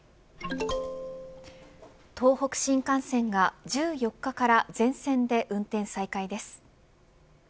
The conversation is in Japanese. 東北新幹線が１４日から全線で運転再開です。